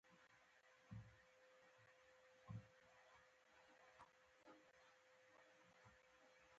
هو ریښتیا دا ستا وینه ډیره ښه پرنډ کیږي. جراح په خوشحالۍ وویل.